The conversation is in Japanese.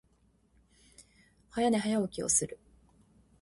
早寝、早起きをする。